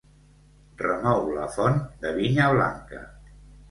Remou la font de vinya blanca.